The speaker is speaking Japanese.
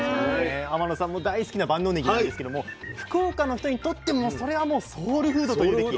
天野さんも大好きな万能ねぎなんですけども福岡の人にとってもそれはもうソウルフードというべき。